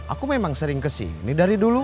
aku memang sering kesini dari dulu